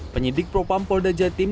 penyidik propampol dajatim